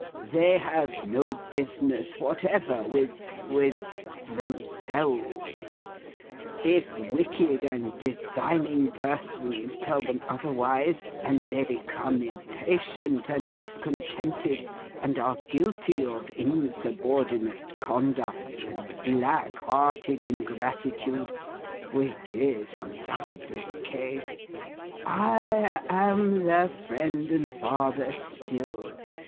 They have no business whatever with—with themselves. If wicked and designing persons tell them otherwise, and they become impatient and discontented, and are guilty of insubordinate conduct and black hearted ingratitude; which is undoubtedly the case; I am their Friend and Father still.